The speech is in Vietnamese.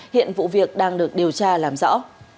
hiện vụ việc đang được điều tra làm rõ